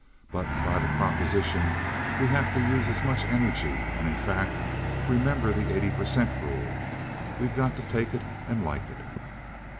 But by the proposition, we have to use as much energy, and in fact, remember the 80% rule. We've got to take it and like it."